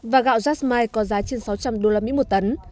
và gạo jasmile có giá trên sáu trăm linh usd một tấn